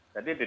jadi di sini